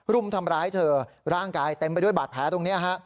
รุมทำร้ายเธอร่างกายเต็มไปด้วยบาดแผลตรงนี้ฮะ